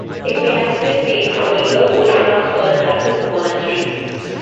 It may have been named for either wolf traps or a Trappist monastery.